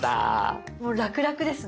もうラクラクですね。